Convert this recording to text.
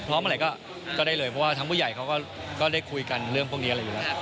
อะไรก็ได้เลยเพราะว่าทั้งผู้ใหญ่เขาก็ได้คุยกันเรื่องพวกนี้อะไรอยู่แล้ว